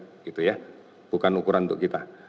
gitu ya bukan ukuran untuk kita